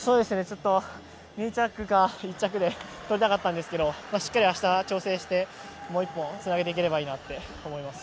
２着か１着で取りたかったんですけどしっかり明日調整してもう一本、つなげていけたらいいなと思います。